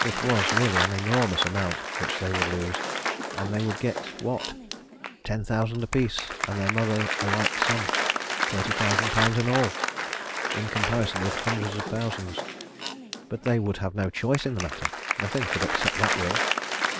It was really an enormous amount which they would lose and they would get what? Ten thousand apiece and their mother a like sum. Thirty thousand pounds in all in comparison with hundreds of thousands. But they would have no choice in the matter. Nothing could upset that will.